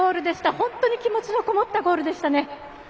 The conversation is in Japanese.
本当に気持ちのこもったゴールでしたね。